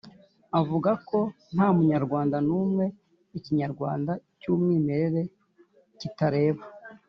avuga ko nta munyarwanda n’umwe ikinyarwanda cy’umwimerere kitareba,